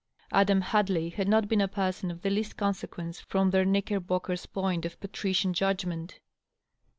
Adam Hadley had not been a person of the least consequence from their Knickerbocker point of patrician judgment.